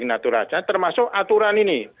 atur aja termasuk aturan ini